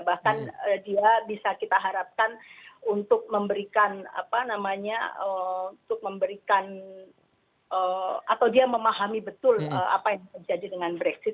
bahkan dia bisa kita harapkan untuk memberikan atau dia memahami betul apa yang terjadi dengan brexit